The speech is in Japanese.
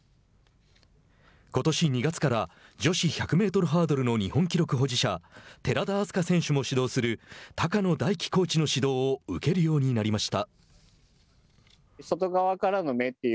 ことし２月から女子１００メートルハードルの日本記録保持者寺田明日香選手も指導する高野大樹コーチの指導を受けるようになりました。